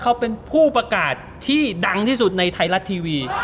เขาเป็นผู้ประกาศที่ดังที่สุดในไทยรัฐทีวี